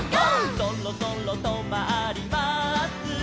「そろそろとまります」